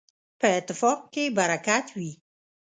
په اتفاق کي برکت وي.